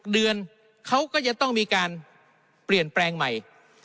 เดือนเขาก็จะต้องมีการเปลี่ยนแปลงใหม่